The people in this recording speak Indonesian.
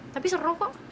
tapi seru kok